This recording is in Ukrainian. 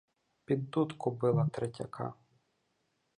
Під дудку била третяка.